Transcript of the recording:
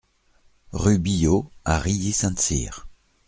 Rue Billot à Rilly-Sainte-Syre